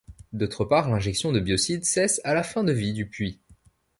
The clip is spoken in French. D'autre part, l'injection de biocide cesse à la fin de vie du puits.